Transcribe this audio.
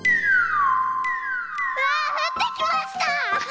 わあふってきました！